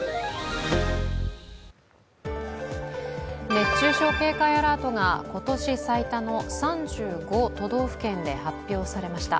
熱中症警戒アラートが今年最多の３５都道府県で発表されました。